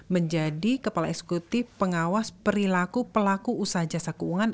menjadi kepala eksekutif pengawas perilaku pelaku usaha jasa keuangan